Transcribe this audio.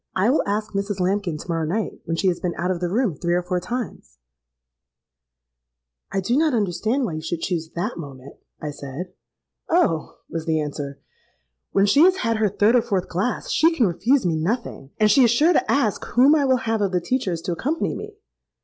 I will ask Mrs. Lambkin to morrow night, when she has been out of the room three or four times——.'—'I do not understand why you should choose that moment,' I said.—'Oh!' was the answer, 'when she has had her third or fourth glass, she can refuse me nothing; and she is sure to ask whom I will have of the teachers to accompany me.'